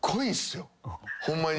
ホンマに。